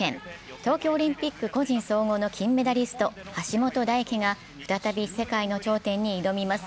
東京オリンピック個人総合の金メダリスト、橋本大輝が再び世界の頂点に挑みます。